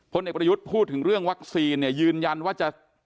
เด็กประยุทธ์พูดถึงเรื่องวัคซีนเนี่ยยืนยันว่าจะ